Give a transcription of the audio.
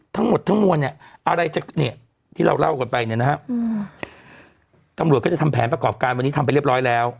ทั้งหมดทั้งมวลเนี่ยอะไรจะเนี่ยที่เราเล่ากันไปเนี่ยนะฮะตำรวจก็จะทำแผนประกอบการวันนี้ทำไปเรียบร้อยแล้ว